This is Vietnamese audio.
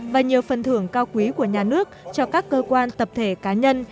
và nhiều phần thưởng cao quý của nhà nước cho các cơ quan tập thể cá nhân